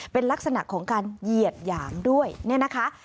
เป็นลักษณะของการเหยียดหยามด้วยเนี่ยนะคะ